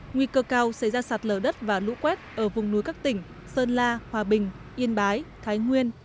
nguy cơ cao xảy ra sạt lở đất và lũ quét ở vùng núi các tỉnh sơn la hòa bình yên bái thái nguyên